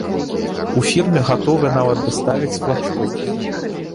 У фірме гатовыя нават даставіць флагштокі.